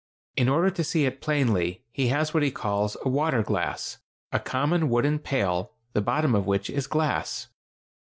In order to see it plainly, he has what he calls a "water glass"—a common wooden pail the bottom of which is glass.